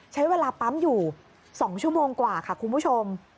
ใช้เวลาปั๊มอยู่๒ชั่วโมงกว่าค่ะคุณผู้ชม